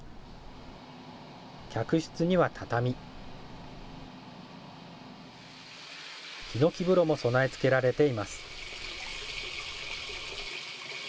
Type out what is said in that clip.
客室には畳。ひのき風呂も備え付けられています。